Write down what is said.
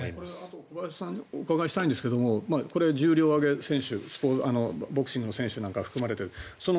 小林さんにお伺いしたいんですけどこれは重量挙げの選手ボクシングの選手なんかが含まれている。